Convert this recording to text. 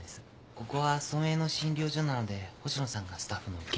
ここは村営の診療所なので星野さんがスタッフの受け入れを。